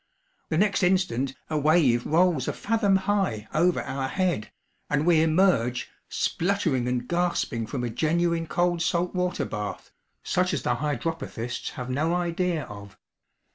The next instant, a wave rolls a fathom high over our head, and we emerge, spluttering and gasping from a genuine cold salt water bath, such as the hydropathists have no idea of.